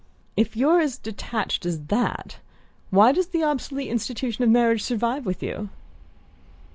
"If: you're as detached as that, why does the obsolete institution of marriage survive with you?"